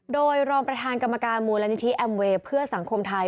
โดยรองประธานกรรมการมูลนิธิแอมเวย์เพื่อสังคมไทย